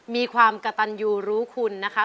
มีความกระตันยูรู้คุณนะคะ